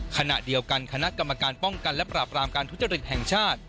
ขณะเดียวกันคณะกรรมการป้องกันและปราบรามการทุจริตแห่งชาติ